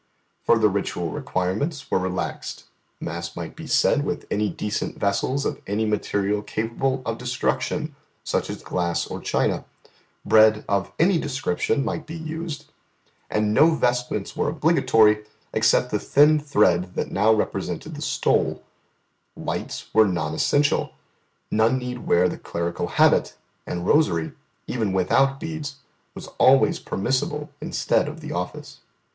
Further ritual requirements were relaxed; mass might be said with any decent vessels of any material capable of destruction, such as glass or china; bread of any description might be used; and no vestments were obligatory except the thin thread that now represented the stole; lights were non essential; none need wear the clerical habit; and rosary, even without beads, was always permissible instead of the Office.